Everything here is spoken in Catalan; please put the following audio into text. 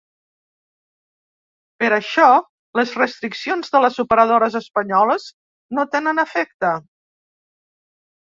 Per això, les restriccions de les operadores espanyoles no tenen efecte.